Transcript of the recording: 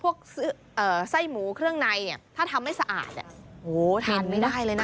พวกไส้หมูเครื่องในถ้าทำไม่สะอาดทานไม่ได้เลยนะ